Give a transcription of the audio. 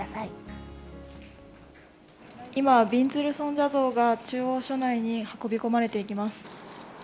今、びんずる尊者像が中央署内に運び込まれていきます。